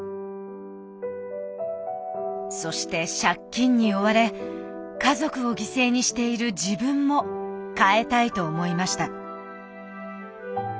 そして借金に追われ家族を犠牲にしている自分も変えたいと思いました。